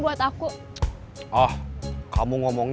mudah untuk memiliki web sosial